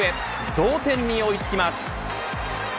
同点に追いつきます。